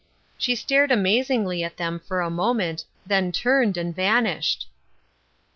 She stared amazingly at them for a moment, then turned and vanished.